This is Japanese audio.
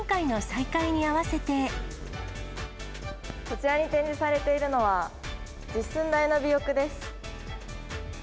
こちらに展示されているのは、実寸大の尾翼です。